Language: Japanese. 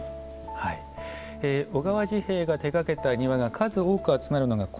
小川治兵衛が手がけた庭が数多く集まるのがこの辺り。